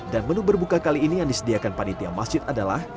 dan menu berbuka kali ini yang disediakan panitia masjid adalah